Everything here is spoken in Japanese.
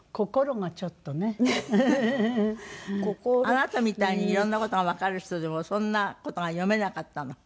あなたみたいにいろんな事がわかる人でもそんな事が読めなかったの？